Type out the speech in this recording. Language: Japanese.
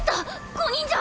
５人じゃ。